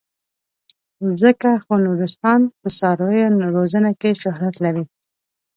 ځکه خو نورستان په څارویو روزنه کې شهرت لري.